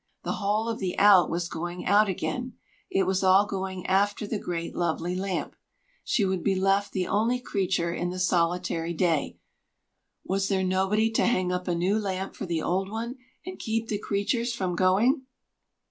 The whole of the Out was going out again; it was all going after the great lovely lamp! She would be left the only creature in the solitary day! Was there nobody to hang up a new lamp for the old one, and keep the creatures from going?